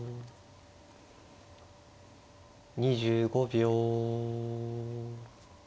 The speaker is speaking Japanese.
２５秒。